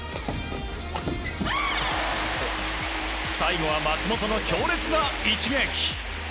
最後は松元の強烈な一撃！